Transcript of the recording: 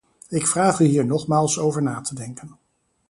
Ik vraag u hier nogmaals over na te denken.